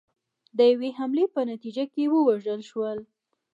د یوې حملې په نتیجه کې ووژل شول.